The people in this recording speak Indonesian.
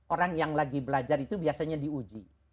orang yang lagi belajar itu biasanya diuji